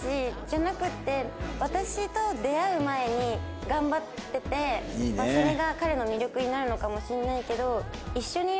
じゃなくて私と出会う前に頑張っててそれが彼の魅力になるのかもしれないけど。